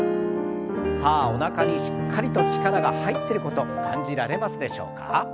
さあおなかにしっかりと力が入ってること感じられますでしょうか。